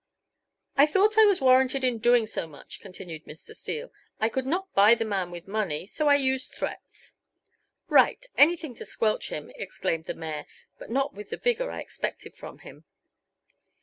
"I thought I was warranted in doing so much," continued Mr. Steele. "I could not buy the man with money, so I used threats." "Right! anything to squelch him," exclaimed the mayor, but not with the vigor I expected from him.